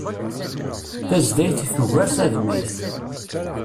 Tazdayt tugar tadmayt